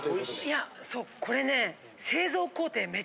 いやそうこれね。